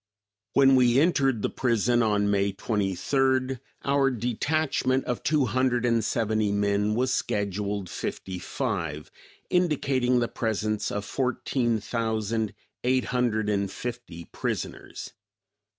When we entered the prison on May 23rd, our detachment of two hundred and seventy men was scheduled fifty five, indicating the presence of fourteen thousand eight hundred and fifty prisoners.